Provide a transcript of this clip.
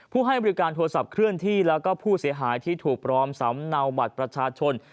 ให้บริการโทรศัพท์เคลื่อนที่แล้วก็ผู้เสียหายที่ถูกปลอมสำเนาบัตรประชาชน